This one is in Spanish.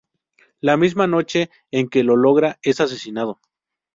La misma noche en que lo logra es asesinado.